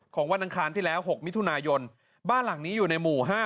วันอังคารที่แล้ว๖มิถุนายนบ้านหลังนี้อยู่ในหมู่๕